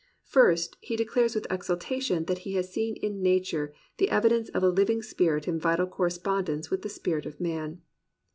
First, he de clares with exultation that he has seen in Nature the evidence of a Uving spirit in vital correspondence with the spirit of man.